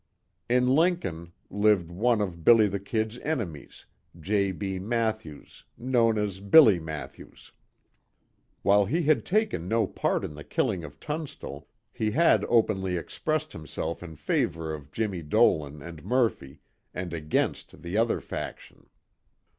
In Lincoln, lived one of "Billy the Kid's" enemies, J. B. Mathews, known as Billy Mathews. While he had taken no part in the killing of Tunstall, he had openly expressed himself in favor of Jimmie Dolan and Murphy, and against the other faction.